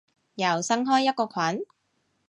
又新開一個群？